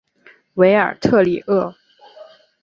韦尔特里厄。